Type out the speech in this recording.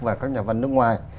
và các nhà văn nước ngoài